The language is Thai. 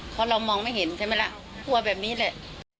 เพราะเรามองไม่เห็นใช่ไหมล่ะกลัวแบบนี้แหละ